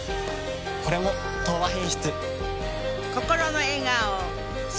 これも「東和品質」。